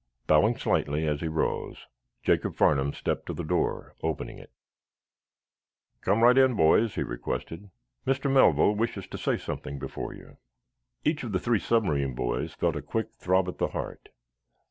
Bowing slightly, as he rose, Jacob Farnum stepped to the door, opening it. "Come right in, boys," he requested. "Mr. Melville wishes to say something before you." Each of the three submarine boys felt a quick throb at the heart.